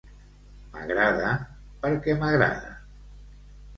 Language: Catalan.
M'agrada perquè m'agrada.